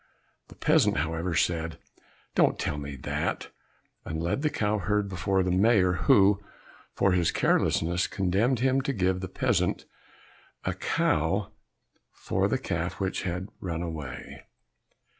The peasant, however, said, "Don't tell me that," and led the cow herd before the mayor, who for his carelessness condemned him to give the peasant a cow for the calf which had run away.